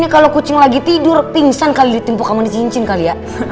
kalo kucing lagi tidur pingsan kali ditimpu kamu di cincin kali ya